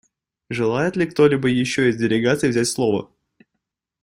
Желает ли кто-либо еще из делегаций взять слово?